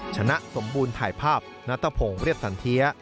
ชนะสมบูรณ์ถ่ายภาพณตะพงศ์เรียบสันเทีย